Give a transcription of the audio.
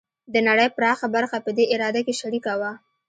د نړۍ پراخه برخه په دې اراده کې شریکه وه.